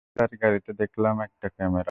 বাইরে তার গাড়িতে দেখলাম একটা ক্যামেরা।